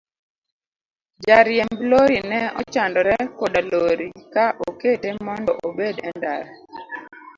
Jariemb lori ne ochandore koda lori ka okete mondo obed e ndara.